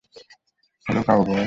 Hello, cowboy.